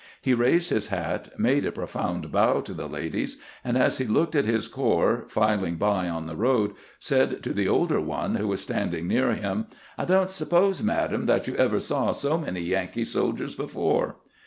He raised his hat, made a profound bow to the ladies, and, as he looked at his corps filing by on the road, said to the older one, who was standing near him, " I don't suppose, madam, that you ever saw so many Yankee soldiers before."